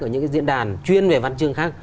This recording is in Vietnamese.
ở những cái diễn đàn chuyên về văn chương khác